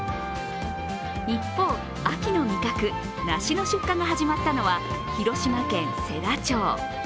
一方、秋の味覚、梨の出荷が始まったのは広島県世羅町。